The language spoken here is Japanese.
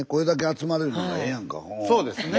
そうですね。